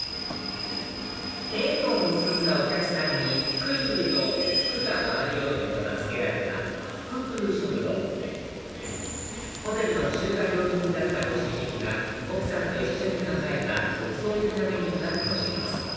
縁を結んだお客さんにくるくると福が回るようにと名付けられたふくくるしょくどうホテルの中華料理人だったご主人が奥さんと一緒に考えた独創的なメニューが楽しめます